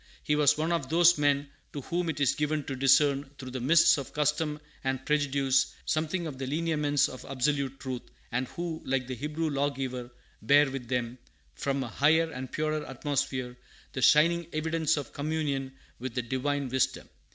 He was one of those men to whom it is given to discern through the mists of custom and prejudice something of the lineaments of absolute truth, and who, like the Hebrew lawgiver, bear with them, from a higher and purer atmosphere, the shining evidence of communion with the Divine Wisdom.